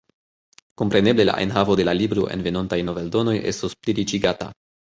Kompreneble la enhavo de la libro en venontaj noveldonoj estos pliriĉigata.